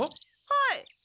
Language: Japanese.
はい。